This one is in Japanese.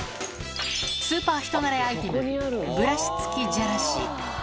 スーパー人慣れアイテム、ブラシ付きじゃらし。